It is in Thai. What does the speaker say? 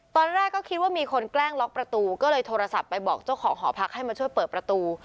ตอนแรกก็คิดว่ามีคนแกล้งล็อกประตูก็เลยโทรศัพท์ไปบอกเจ้าของหอพักให้มาช่วยเปิดประตู